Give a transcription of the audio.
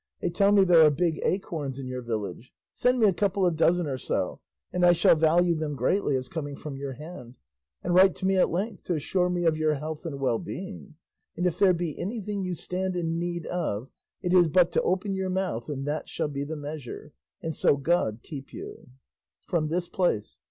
They tell me there are big acorns in your village; send me a couple of dozen or so, and I shall value them greatly as coming from your hand; and write to me at length to assure me of your health and well being; and if there be anything you stand in need of, it is but to open your mouth, and that shall be the measure; and so God keep you. From this place.